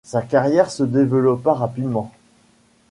Sa carrière se développa rapidement.